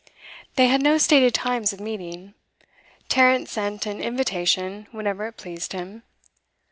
They had no stated times of meeting. Tarrant sent an invitation whenever it pleased him.